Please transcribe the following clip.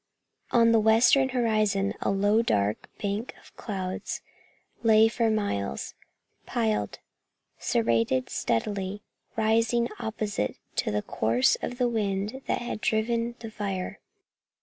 On the western horizon a low dark bank of clouds lay for miles, piled, serrated, steadily rising opposite to the course of the wind that had driven the fire.